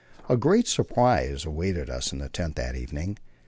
A great surprise awaited us in the tent that evening.